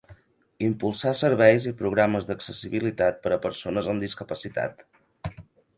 Impulsar serveis i programes d'accessibilitat per a persones amb discapacitat.